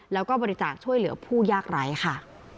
แล้วก็บริจาคช่วยเหลือผู้ยากไร้ค่ะ